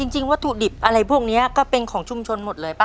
จริงวัตถุดิบอะไรพวกนี้ก็เป็นของชุมชนหมดเลยป่